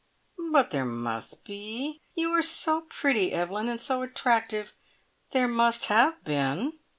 "But there must be you are so pretty, Evelyn, and so attractive there must have been."